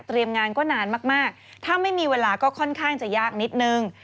งานก็นานมากถ้าไม่มีเวลาก็ค่อนข้างจะยากนิดนึง